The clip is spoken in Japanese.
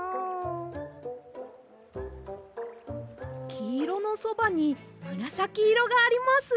きいろのそばにむらさきいろがあります。